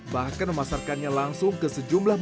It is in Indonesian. bahkan memasarkannya langsung ke sejumlah barang